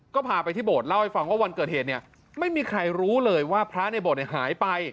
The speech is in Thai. ก็พาไปที่โบสถเล่าให้ฟังว่าวันเกิดเหตุเนี่ยไม่มีใครรู้เลยว่าพระในโบสถ์หายไป